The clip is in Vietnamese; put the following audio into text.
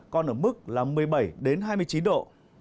còn ở mức là một mươi bảy hai mươi chín độ